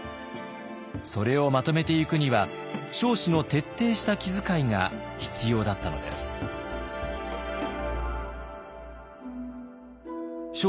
それをまとめていくには彰子の徹底した気遣いが必要だったのです。